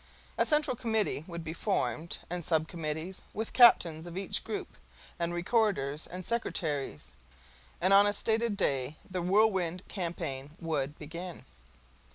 A central committee would be formed and sub committees, with captains of each group and recorders and secretaries, and on a stated day the Whirlwind Campaign would begin.